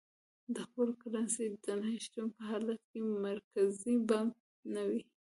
د خپلې کرنسۍ د نه شتون په حالت کې مرکزي بانک نه وي.